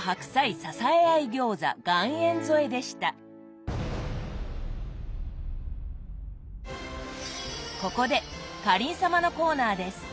一皿目ここでかりん様のコーナーです。